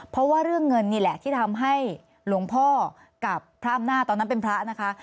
เพราะว่าเรื่องเงินนี่แหละที่ทำให้หลวงพ่อกับพระอำนาจตอนนั้นเป็นพระนะคะ